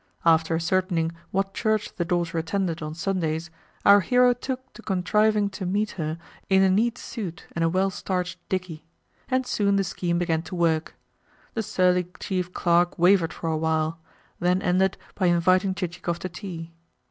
After ascertaining what church the daughter attended on Sundays, our hero took to contriving to meet her in a neat suit and a well starched dickey: and soon the scheme began to work. The surly Chief Clerk wavered for a while; then ended by inviting Chichikov to tea.